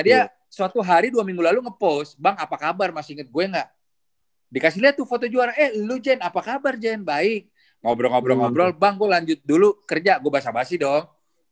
jadi dia suatu hari dua minggu lalu ngepost bang apa kabar masih inget gue gak dikasih liat tuh foto juara eh lu jen apa kabar jen baik ngobrol ngobrol ngobrol bang gue lanjut dulu kerja gue basah basih dong